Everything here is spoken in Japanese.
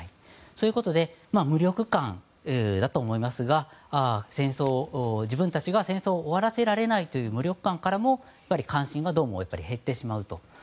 そういうことで無力感だと思いますが戦争を自分たちが終わらせられないという無力感からも関心がどうも減ってしまうと。